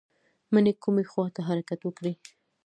مڼې کومې خواته حرکت وکړي؟